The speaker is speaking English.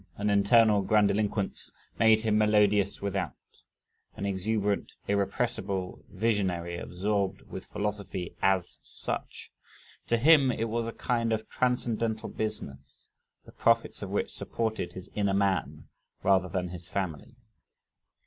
An internal grandiloquence made him melodious without; an exuberant, irrepressible, visionary absorbed with philosophy AS such; to him it was a kind of transcendental business, the profits of which supported his inner man rather than his family.